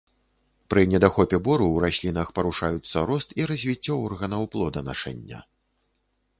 Пры недахопе бору ў раслінах парушаюцца рост і развіццё органаў плоданашэння.